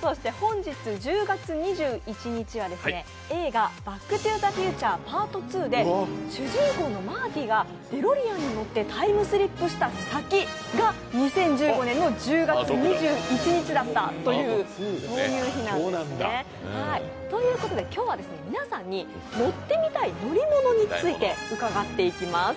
そして本日１０月２１日は映画「バック・トゥ・ザ・フューチャーパート２」で主人公のマーティがデロリアンに乗ってタイムスリップした先が２０１５年の１０月２１日だったというそういう日なんですね。ということで今日は皆さんに乗ってみたい乗り物について伺っていきます。